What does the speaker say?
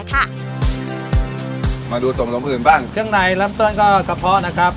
เครื่องในเริ่มต้นก็กระโภะนะครับ